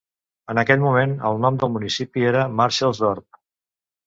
En aquell moment, el nom del municipi era Marshall's Dorp.